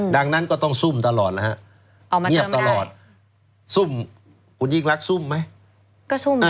ดังนั้นก็ต้องซุ่มตลอดนะฮะเงียบตลอดซุ่มคุณยิ่งรักซุ่มไหม